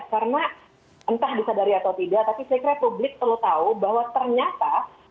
karena entah disadari atau tidak tapi saya kira publik perlu tahu bahwa ternyata